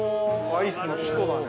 ◆アイスの首都だね。